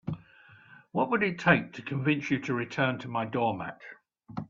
What would it take to convince you to return my doormat?